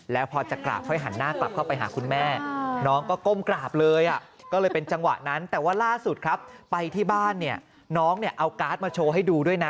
ล่าสุดครับไปที่บ้านเนี่ยน้องเอาการ์ดมาโชว์ให้ดูด้วยนะ